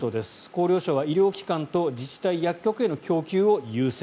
厚労省は医療機関と自治体、薬局への供給を優先。